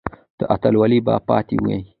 دا اتلولي به پاتې وي.